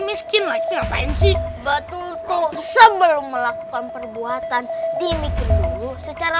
miskin lagi ngapain sih batu itu sebelum melakukan perbuatan dimikir dulu secara